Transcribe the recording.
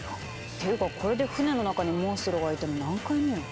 っていうかこれで船の中にモンストロがいたの何回目よ？